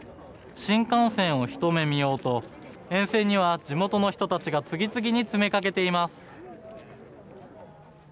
新幹線をひと目見ようと沿線には地元の人たちが次々に詰めかけています。